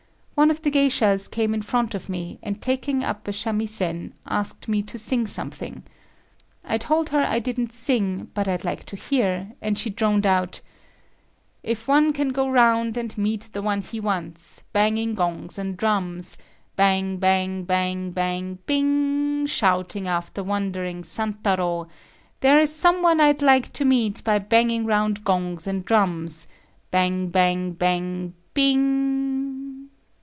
One of the geishas came in front of me, and taking up a samisen, asked me to sing something. I told her I didn't sing, but I'd like to hear, and she droned out: "If one can go round and meet the one he wants, banging gongs and drums …… bang, bang, bang, bang, bing, shouting after wandering Santaro, there is some one I'd like to meet by banging round gongs and drums …… bang, bang, bang, bang, b i n g."